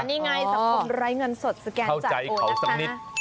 มีไงสังคมรายเงินสดสแกนจากโอ๊ยนะคะ